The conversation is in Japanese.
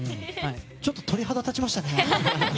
ちょっと鳥肌が立ちましたね。